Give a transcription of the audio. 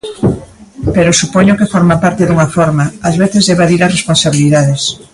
Pero supoño que forma parte dunha forma, ás veces, de evadir as responsabilidades.